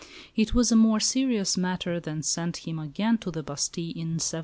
It was a more serious matter that sent him again to the Bastille in 1718.